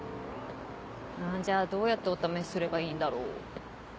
じゃあどうやってお試しすればいいんだろう？